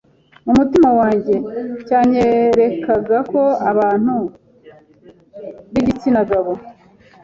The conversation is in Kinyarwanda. mu mutima wanjye cyanyerekaga ko abantu b’igitsina gabo